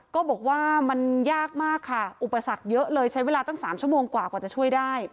ก็บอกว่ามันยากมากค่ะอุปสรรคเยอะเลยใช้เวลาตั้ง๓ชั่วโมงกว่ากว่าจะช่วยได้